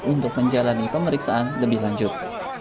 untuk menjalani pemeriksaan lebih lanjut